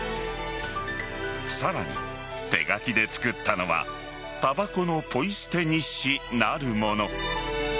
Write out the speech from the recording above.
さらに、手書きで作ったのはたばこのポイ捨て日誌なるもの。